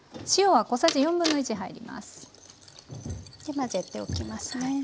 混ぜておきますね。